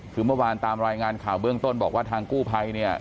คือเมื่อวานตามรายงานข่าวเบื้องต้นบอกว่าทางกู้ภัยเนี่ย